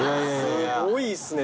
すごいっすね。